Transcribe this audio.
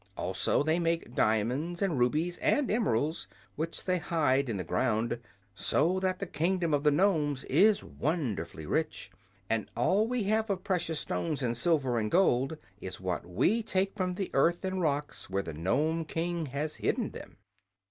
Also they make diamonds and rubies and emeralds, which they hide in the ground; so that the kingdom of the Nomes is wonderfully rich, and all we have of precious stones and silver and gold is what we take from the earth and rocks where the Nome King has hidden them."